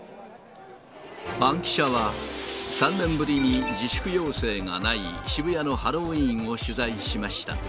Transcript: バンキシャは、３年ぶりに自粛要請がない渋谷のハロウィーンを取材しました。